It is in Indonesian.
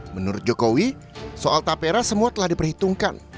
menurut jokowi soal tapera semua telah diperhitungkan